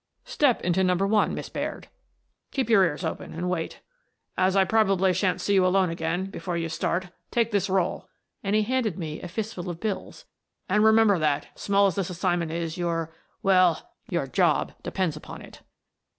Step into Number One, Miss Baird; keep your ears open and wait. As I probably sha'n't see you alone again, before you start, take this roll," — and he handed me a fistful of bills — "and remember that, small as this assignment is, your — well, your job depends upon it."